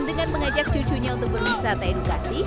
dengan mengajak cucunya untuk berwisata edukasi